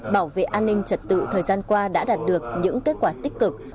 bảo vệ an ninh trật tự thời gian qua đã đạt được những kết quả tích cực